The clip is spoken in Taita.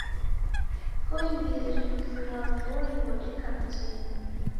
Koimbiri mzi ghwa Voi ghodeka mtini.